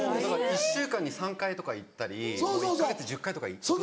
１週間に３回とか行ったり１か月に１０回とか行くんです。